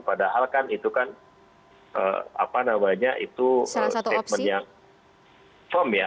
padahal kan itu kan apa namanya itu statement yang firm ya